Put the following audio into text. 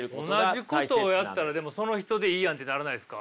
同じことをやったらでもその人でいいやんってならないですか？